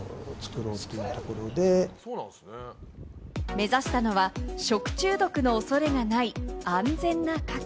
目指したのは食中毒の恐れがない安全なカキ。